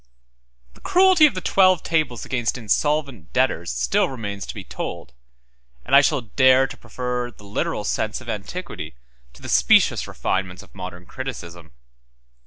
The cruelty of the twelve tables against insolvent debtors still remains to be told; and I shall dare to prefer the literal sense of antiquity to the specious refinements of modern criticism.